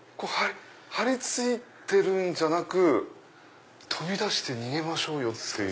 張り付いてるんじゃなく飛び出して逃げましょうよ！って。